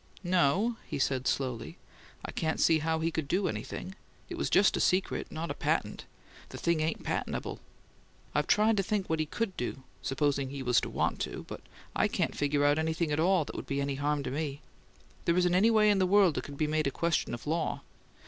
"No," he said, slowly. "I can't see how he could do anything. It was just a secret, not a patent; the thing ain't patentable. I've tried to think what he could do supposing he was to want to but I can't figure out anything at all that would be any harm to me. There isn't any way in the world it could be made a question of law.